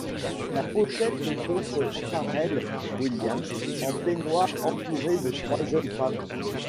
La pochette montre Pharrell Williams en peignoir entouré de trois jeunes femmes.